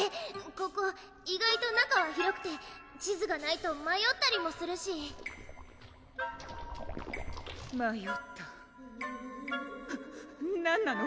ここ意外と中は広くて地図がないとまよったりもするしまよった・ウゥ・何なの？